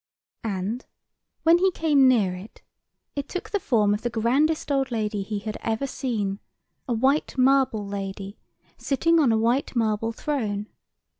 And, when he came near it, it took the form of the grandest old lady he had ever seen—a white marble lady, sitting on a white marble throne.